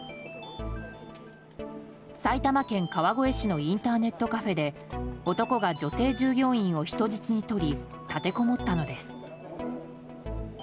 埼玉県川越市のインターネットカフェで男が女性従業員を人質に取り立てこもったのです。